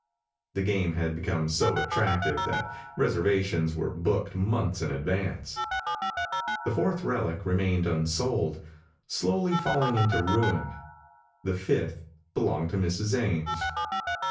The game had become so attractive that reservations were booked months in advance. The fourth relic remained unsold, slowly falling into ruin. The fifth belonged to Mrs. Ames.